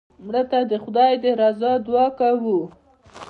مړه ته د خدای د رضا دعا کوو